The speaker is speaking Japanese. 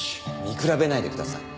見比べないでください。